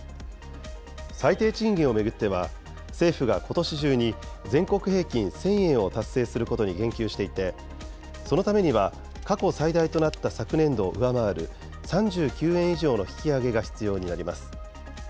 最低賃金を巡っては、政府がことし中に全国平均１０００円を達成することに言及していて、そのためには、過去最大となった昨年度を上回る３９円以上の引き上げが必要になります。